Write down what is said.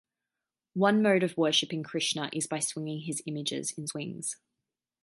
One mode of worshipping Krishna is by swinging his images in swings.